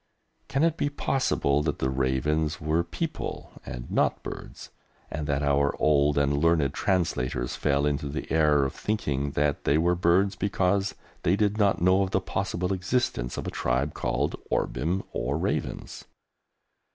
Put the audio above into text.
Can it be possible that the ravens were people and not birds, and that our old and learned translators fell into the error of thinking that they were birds, because they did not know of the possible existence of a tribe called "Orbim" or "Ravens"?